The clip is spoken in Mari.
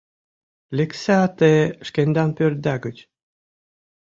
Лекса те шкендан пӧртда гыч